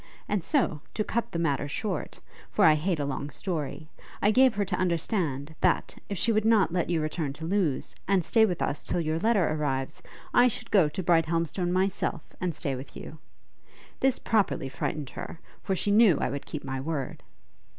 And so, to cut the matter short, for I hate a long story, I gave her to understand, that, if she would not let you return to Lewes, and stay with us till your letter arrives, I should go to Brighthelmstone myself, and stay with you. This properly frightened her; for she knew I would keep my word.'